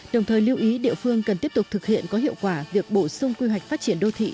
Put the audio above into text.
đồng thời lưu ý địa phương cần tiếp tục thực hiện có hiệu quả việc bổ sung quy hoạch phát triển đô thị